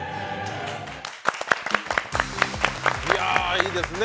いいですね